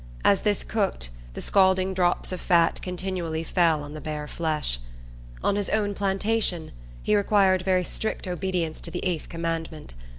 As this cooked, the scalding drops of fat continually fell on the bare flesh. On his own plantation, he required very strict obedience to the eighth commandment.